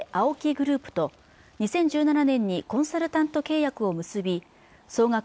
ＡＯＫＩグループと２０１７年にコンサルタント契約を結び総額